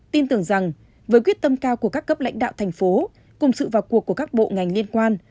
tin tưởng rằng với quyết tâm cao của các cấp lãnh đạo thành phố cùng sự vào cuộc của các bộ ngành liên quan